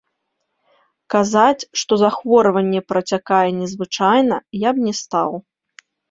Казаць, што захворванне працякае незвычайна, я б не стаў.